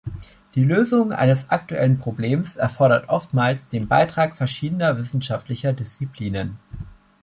Die Lösung eines aktuellen Problems erfordert oftmals den Beitrag verschiedener wissenschaftlicher Disziplinen.